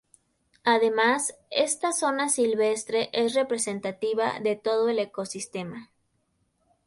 Además, esta zona silvestre es representativa de todo el ecosistema.